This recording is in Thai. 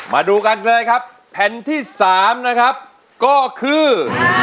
มาดูกันเลยครับแผ่นที่๓นะครับก็คือ